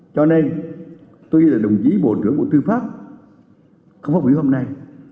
cho nên tuy là đồng chí bộ trưởng của tư pháp không có quyền hôm nay